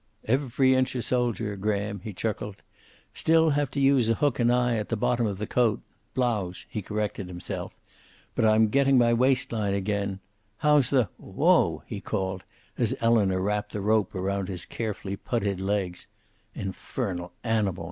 "Every inch a soldier, Graham," he chuckled. "Still have to use a hook and eye at the bottom of the coat blouse," he corrected himself. "But I'm getting my waist line again. How's the whoa!" he called, as Elinor wrapped the rope around his carefully putted legs. "Infernal animal!"